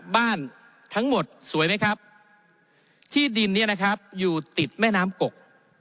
บ้านทั้งหมดสวยไหมครับที่ดินเนี่ยนะครับอยู่ติดแม่น้ำกก